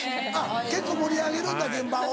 結構盛り上げるんだ現場を。